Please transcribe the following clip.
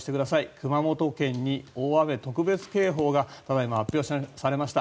熊本県に大雨特別警報がただ今、発表されました。